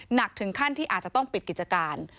หนักถึงขั้นที่อาจจะต้องปิดกิจการ